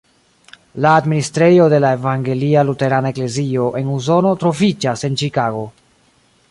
La administrejo de la Evangelia Luterana Eklezio en Usono troviĝas en Ĉikago.